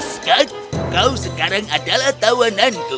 skat kau sekarang adalah tawananku